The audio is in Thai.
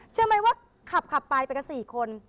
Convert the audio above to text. เชื่อมั้ยว่าขับไปไปกับสี่คน